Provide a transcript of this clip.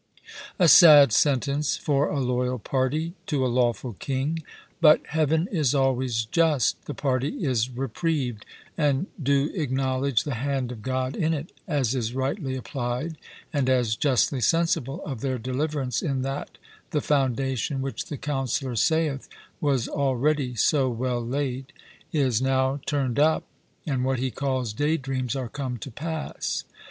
A sad sentence for a loyal party, to a lawful King. But Heaven is always just; the party is repriv'd, and do acknowledge the hand of God in it, as is rightly apply'd, and as justly sensible of their deliverance in that the foundation which the councillor saith was already so well laid, is now turned up, and what he calls day dreams are come to passe.